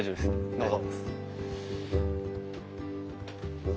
どうぞ。